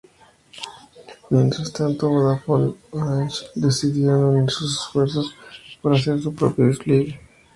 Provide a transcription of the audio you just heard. Mientras tanto, Vodafone y Orange decidieron unir sus esfuerzos por hacer su propio despliegue.